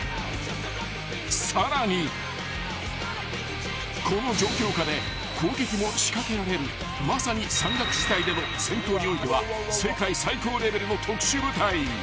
［さらにこの状況下で攻撃も仕掛けられるまさに山岳地帯での戦闘においては世界最高レベルの特殊部隊］